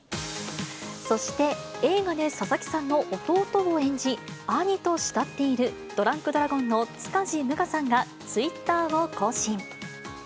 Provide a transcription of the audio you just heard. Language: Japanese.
そして、映画で佐々木さんの弟を演じ、兄と慕っているドランクドラゴンの塚地武雅さんが、ツイッターを更新。